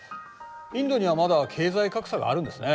インドにはまだ経済格差があるんですね。